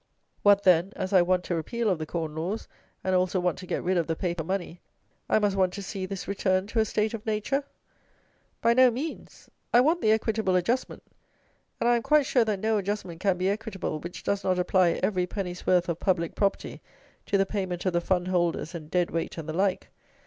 What, then, as I want a repeal of the corn laws, and also want to get rid of the paper money, I must want to see this return to a state of nature? By no means. I want the "equitable adjustment," and I am quite sure that no adjustment can be equitable which does not apply every penny's worth of public property to the payment of the fund holders and dead weight and the like.